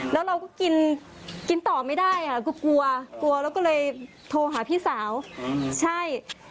แล้วเราก็กินกินต่อไม่ได้ค่ะคือกลัวกลัวแล้วก็เลยโทรหาพี่สาวใช่